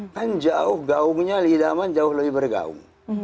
kan jauh gaungnya idaman jauh lebih bergaung